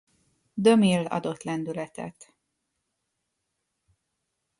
De Mille adott lendületet.